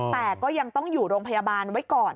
แต่ก็ยังต้องอยู่โรงพยาบาลไว้ก่อน